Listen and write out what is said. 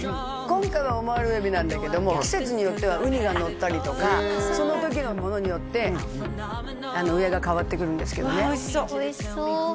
今回はオマール海老なんだけども季節によってはウニがのったりとかその時のものによって上が変わってくるんですけどねわあ